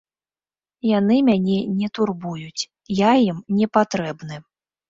Яны мяне не турбуюць, я ім не патрэбны.